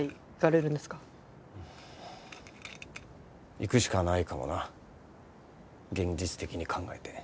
行くしかないかもな現実的に考えて。